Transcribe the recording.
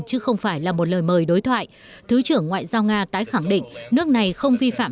chứ không phải là một lời mời đối thoại thứ trưởng ngoại giao nga tái khẳng định nước này không vi phạm